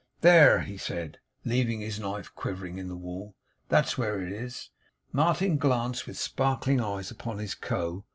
'There!' he said, leaving his knife quivering in the wall; 'that's where it is!' Martin glanced with sparkling eyes upon his Co.